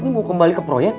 mau kembali ke proyek